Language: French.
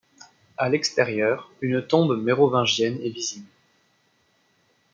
À l'extérieur, une tombe mérovingienne est visible.